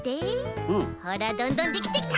ほらどんどんできてきた！